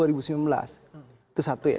itu satu ya